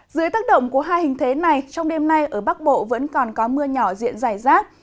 dưới tác động của hai hình thế này trong đêm nay ở bắc bộ vẫn còn có mưa nhỏ diện dài rác